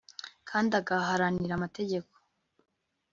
kandi agaharanira amategeko